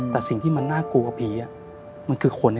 แต่สิ่งที่มันน่ากลัวกว่าผีมันคือคน